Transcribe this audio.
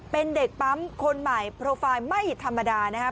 เป็นเด็กปั๊มคนใหม่โปรไฟล์ไม่ธรรมดานะครับ